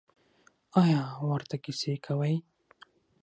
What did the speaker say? ایا ورته کیسې کوئ؟